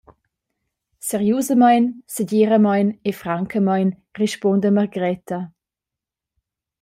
Seriusamein, segiramein e francamein rispunda Margreta.